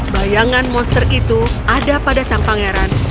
bayangan monster itu ada pada sang pangeran